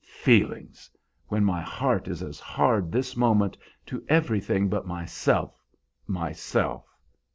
Feelings! when my heart is as hard, this moment, to everything but myself, myself!